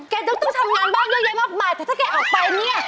ต้องทำงานบ้างเยอะแยะมากมายแต่ถ้าแกออกไปเนี่ย